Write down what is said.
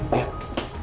ada apa dok